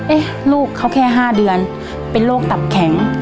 ลูกเขาแค่๕เดือนเป็นโรคตับแข็ง